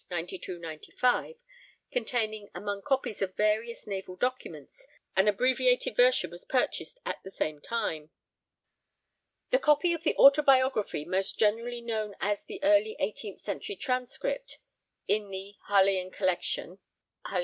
9295) containing, among copies of various naval documents, an abbreviated version was purchased at the same time. The copy of the autobiography most generally known is the early eighteenth century transcript in the Harleian Collection (Harl.